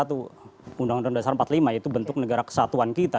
undang undang dasar seribu sembilan ratus empat puluh lima yaitu bentuk negara kesatuan kita